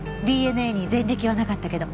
ＤＮＡに前歴はなかったけど。